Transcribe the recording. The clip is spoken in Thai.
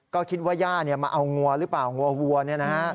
ก็คิดว่าย่ามาเอางัวหรือเปล่างัวเนี่ยนะฮะ